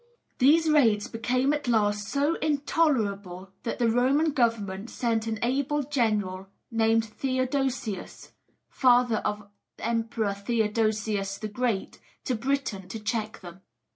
These raids became at last so intolerable, that the Roman government sent an able general named Theodosius (father of the emperor Theodosius the Great) to Britain to check them.